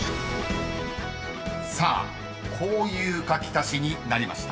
［さあこういう描き足しになりました］